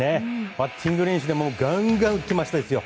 バッティング練習でもガンガン打ってました。